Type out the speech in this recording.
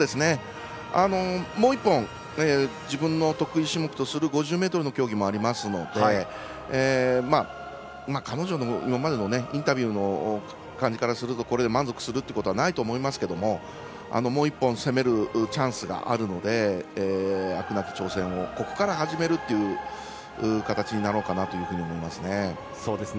もう１本自分の得意種目とする５０ｍの競技もありますので彼女の今までのインタビューの感じからするとこれで満足するということはないと思いますがもう１本攻めるチャンスがあるのであくなき挑戦をここから始めるという形になろうかなと思いますね。